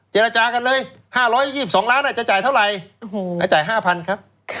เจรจากันเลย๕๒๒ล้านอาจจะจ่ายเท่าไหร่จ่าย๕๐๐ครับ